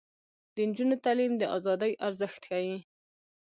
د نجونو تعلیم د ازادۍ ارزښت ښيي.